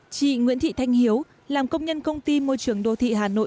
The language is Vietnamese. chị nguyễn thị thanh hiếu làm công nhân công ty môi trường đô thị hà nội